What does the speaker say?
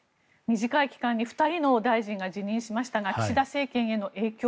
短い期間に２人の大臣が辞任しましたが岸田政権への影響